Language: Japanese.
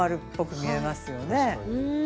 確かに。